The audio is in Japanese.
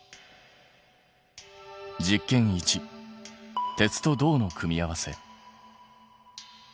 実験１鉄と銅の組み合わせ。